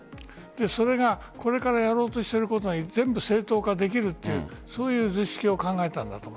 それがこれからやろうとしていることを全部正当化できるという図式を考えたと思う。